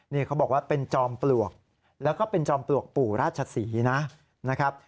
นี่เขาบอกว่าเป็นจอมปลวกแล้วก็เป็นจอมปลวกปู่ราชศรีนะครับ